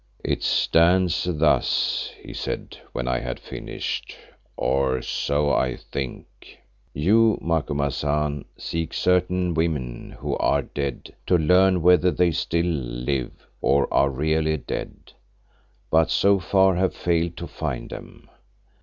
"It stands thus," he said when I had finished, "or so I think. You, Macumazahn, seek certain women who are dead to learn whether they still live, or are really dead, but so far have failed to find them.